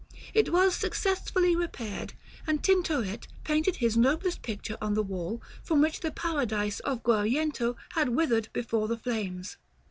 It was successfully repaired, and Tintoret painted his noblest picture on the wall from which the Paradise of Guariento had withered before the flames.